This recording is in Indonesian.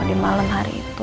di malam hari itu